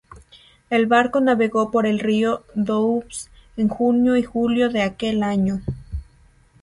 El barco navegó por el río Doubs en junio y julio de aquel año.